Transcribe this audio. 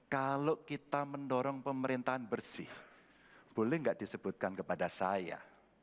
kalau kita mendorong pemerintahan bersih boleh nggak disebutkan kepada saya